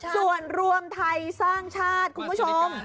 ส่วนรวมไทยสร้างชาติคุณผู้ชม